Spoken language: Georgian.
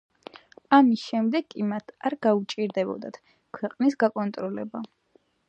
ამის შემდეგ კი მათ არ გაუჭირდებოდათ ქვეყნის გაკონტროლება.